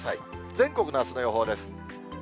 全国のあすの予報です。